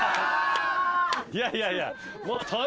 いやいやいや。